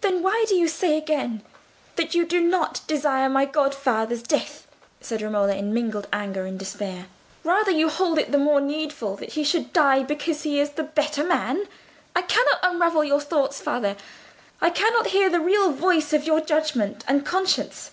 "Then why do you say again, that you do not desire my godfather's death?" said Romola, in mingled anger and despair. "Rather, you hold it the more needful he should die because he is the better man. I cannot unravel your thoughts, father; I cannot hear the real voice of your judgment and conscience."